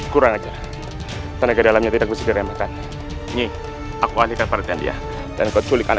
kurang aja tenaga dalamnya tidak bisa diremehkan ini aku alihkan perhatian dia dan kau culikan